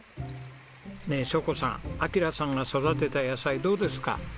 ねえ晶子さん暁良さんが育てた野菜どうですか？